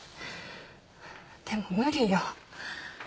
でも無理よ。